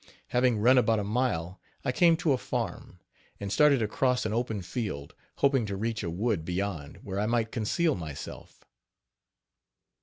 Having run about a mile, I came to a farm, and started across an open field, hoping to reach a wood beyond, where I might conceal myself.